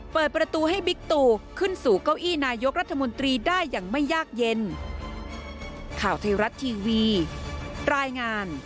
เปิดประตูให้บิ๊กตูขึ้นสู่เก้าอี้นายกรัฐมนตรีได้อย่างไม่ยากเย็น